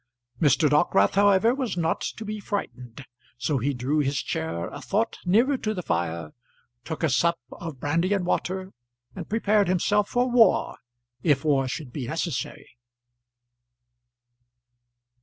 Mr. Dockwrath, however, was not to be frightened, so he drew his chair a thought nearer to the fire, took a sup of brandy and water, and prepared himself for war if war should be necessary.